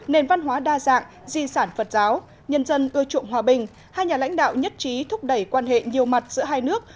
nền văn hóa đa dạng di sản phật giáo nhân dân ưa chuộng hòa bình hai nhà lãnh đạo nhất trí thúc đẩy quan hệ nhiều mặt giữa hai nước